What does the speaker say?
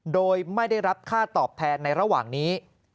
โดยไม่ได้รับค่าตอบแทนในระหว่างนี้